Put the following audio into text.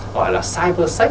gọi là cyber sex